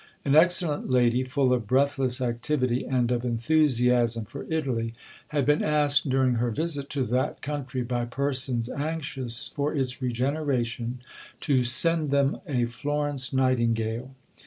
An excellent lady, full of breathless activity and of enthusiasm for Italy, had been asked during her visit to that country by persons anxious for its regeneration, to "send them a Florence Nightingale."